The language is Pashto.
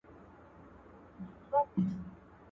په امان دي له آفته چي په زړه کي مومنان دي.